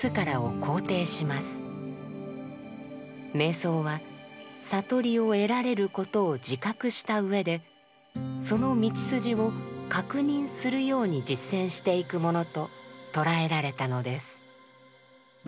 瞑想は悟りを得られることを自覚したうえでその道筋を確認するように実践していくものと捉えられたのです。